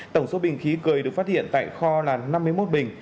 tổng số bình khí cười được phát hiện tại kho là năm mươi một bình